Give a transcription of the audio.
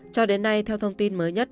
cho đến nay theo thông tin mới nhất